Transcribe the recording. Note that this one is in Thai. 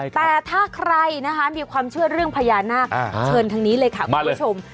แต่ถ้าใครนะคะมีความเชื่อเรื่องพญานาคเชิญทางนี้เลยค่ะคุณผู้ชม